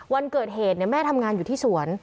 วันเกิดเหตุแม่ทำงานอยู่ที่สวน